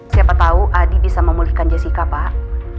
siapa tahu adi bisa memulihkan jessica pak